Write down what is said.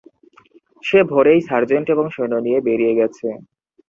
সে ভোরেই সার্জেন্ট এবং সৈন্য নিয়ে বেরিয়ে গেছে।